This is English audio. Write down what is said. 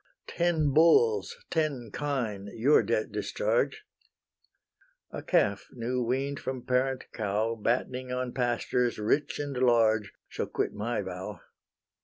Ten bulls, ten kine, your debt discharge: A calf new wean'd from parent cow, Battening on pastures rich and large, Shall quit my vow.